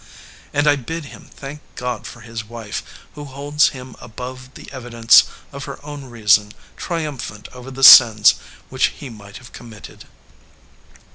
"And I bid him thank God for his wife, who holds him above the evidence of her own reason triumphant over the sins which he might have committed."